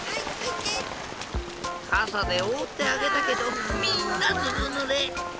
かさでおおってあげたけどみんなずぶぬれ。